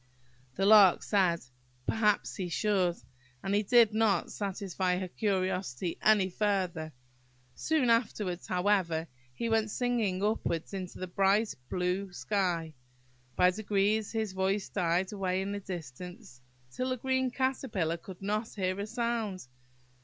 The Lark said, "Perhaps he should;" but he did not satisfy her curiosity any further. Soon afterwards, however, he went singing upwards into the bright, blue sky. By degrees his voice died away in the distance, till the green Caterpillar could not hear a sound.